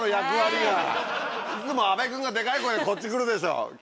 いつも阿部君がデカい声でこっちくるでしょ！